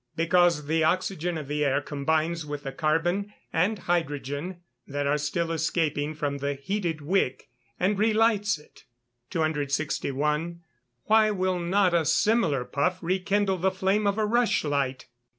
_ Because the oxygen of the air combines with the carbon and hydrogen that are still escaping from the heated wick, and re lights it. 261. _Why will not a similar puff rekindle the flame of a rushlight?